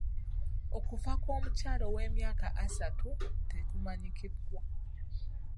Okufa kw'omukyala ow'emyaka asatu tekumanyikiddwa.